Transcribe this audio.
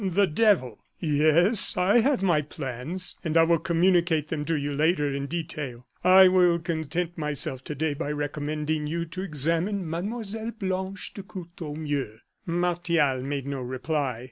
"The devil!" "Yes, I have my plans, and I will communicate them to you later in detail. I will content myself today by recommending you to examine Mademoiselle Blanche de Courtornieu." Martial made no reply.